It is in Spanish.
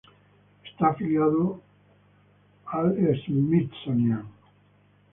Está afiliado del Smithsonian.